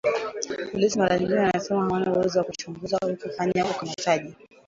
Polisi mara nyingine wanasema hawana uwezo wa kuchunguza au kufanya ukamataji